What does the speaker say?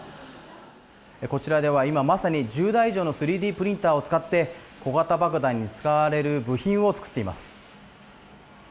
こちらでは今まさに１０台以上の３Ｄプリンターを使って小型爆弾に使われる部品を作っています。